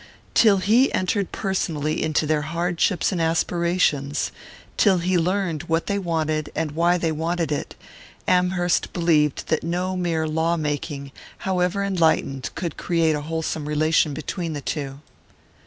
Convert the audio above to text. Till he entered personally into their hardships and aspirations till he learned what they wanted and why they wanted it Amherst believed that no mere law making, however enlightened, could create a wholesome relation between the two.